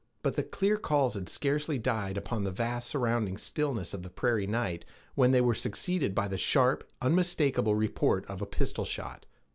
But the clear calls had scarcely died upon the vast surrounding stillness of the prairie night when they were succeeded by the sharp, unmistakable report of a pistol shot.